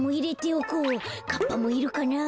かっぱもいるかなあ。